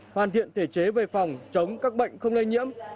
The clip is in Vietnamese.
hoàn thiện thể chế về phòng chống các bệnh không lây nhiễm